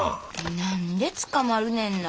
何で捕まるねんな。